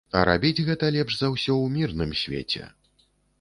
А рабіць гэта лепш за ўсё ў мірным свеце.